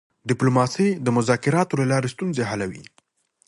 ډیپلوماسي د مذاکراتو له لارې ستونزې حلوي.